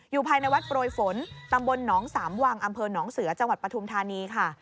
ภายในวัดโปรยฝนตำบลหนองสามวังอำเภอหนองเสือจังหวัดปฐุมธานีค่ะ